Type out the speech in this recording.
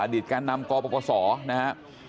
อดีตการนำกรปกศนะครับ